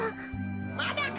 ・まだか？